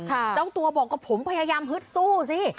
เจ้าตัวบอกว่าผมพยายามฮึดสู้สิ